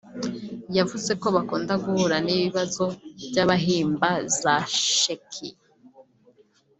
yavuze ko bakunda guhura n’ibibazo by’abahimba za sheki